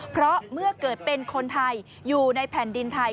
เพราะเมื่อเกิดเป็นคนไทยอยู่ในแผ่นดินไทย